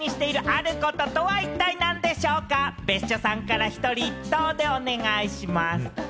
別所さんから一人一答でお願いします。